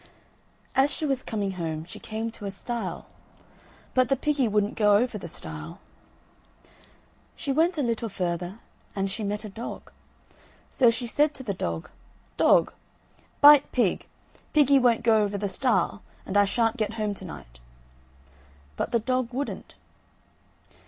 As she was coming home, she came to a stile: but the piggy wouldn't go over the stile. She went a little further, and she met a dog. So she said to the dog: "Dog! bite pig; piggy won't go over the stile; and I shan't get home to night." But the dog wouldn't.